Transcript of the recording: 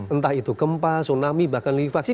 entah itu gempa tsunami bahkan lukis vaksin